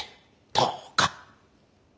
どうか。